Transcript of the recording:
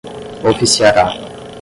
oficiará